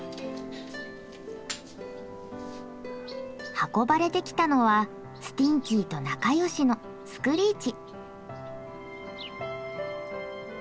運ばれてきたのはスティンキーと仲よしのスクリーチ。